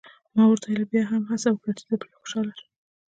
ما ورته وویل: بیا هم هڅه یې وکړه، چې زه پرې خوشحاله شم.